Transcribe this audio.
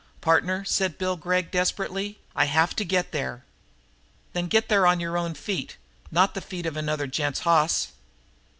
"Partner," said Bill Gregg desperately, "I have to get there!" "Then get there on your own feet, not the feet of another gent's hoss."